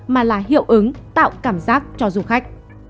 mà là hiệu ứng tạo cảm giác cho du khách